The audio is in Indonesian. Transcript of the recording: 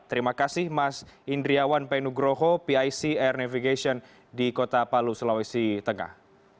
terima kasih mas indriawan penugroho pic air navigation di kota palu sulawesi tengah